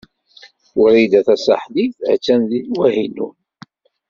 Wrida Tasaḥlit a-tt-an deg Wahinun.